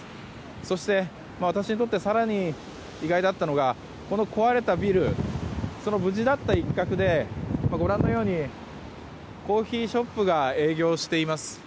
そして、私にとって更に意外だったのはこの壊れたビルの無事だった一角でご覧のようにコーヒーショップが営業しています。